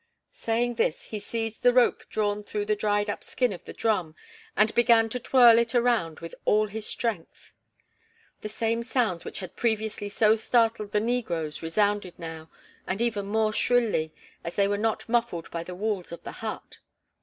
Saying this, he seized the rope drawn through the dried up skin of the drum and began to twirl it around with all his strength. The same sounds which had previously so startled the negroes resounded now, and even more shrilly, as they were not muffled by the walls of the hut.